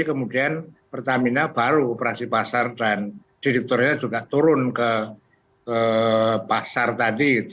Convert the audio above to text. kemudian pertamina baru operasi pasar dan direkturnya juga turun ke pasar tadi